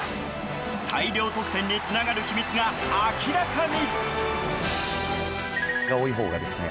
大量得点につながる秘密が明らかに。